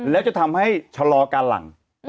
แล้วจะทำให้ชะลอการหลัง